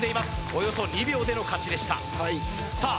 およそ２秒での勝ちでしたさあ